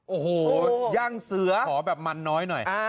โอ้โหย่างเสื้อขอแบบมันน้อยหน่อย